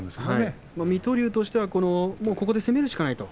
水戸龍としては攻めるしかないと。